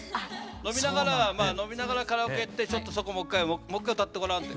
飲みながら飲みながらカラオケやってちょっとそこもう一回もう一回歌ってごらんって。